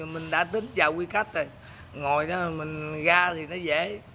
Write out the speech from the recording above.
mình đã tính cho quý khách rồi ngồi đó mình ra thì nó dễ